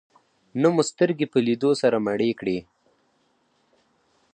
نه مو سترګې په لیدو سره مړې کړې.